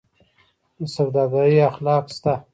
د سوداګرۍ اخلاق شته؟